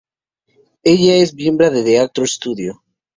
Ella es miembro de The Actors Studio.